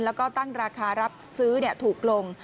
แล้วก็ตั้งราคารับซื้อถูกลง